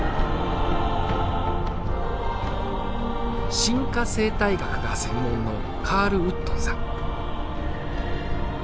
進化生態学が専門のカール・ウットンさん。